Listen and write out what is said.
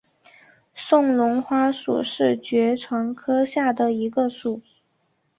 安龙花属是爵床科下的一个属。